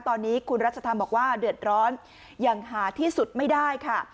ตอนนี้คุณรัชธรรมบอกว่าเดือดร้อนอย่างหาที่สุดไม่ได้ค่ะ